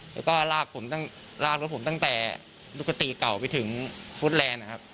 แล้วก็ลากตัวผมตั้งแต่ลุกกะตีเก่าไปถึงฟู้ดแลนด์ครับ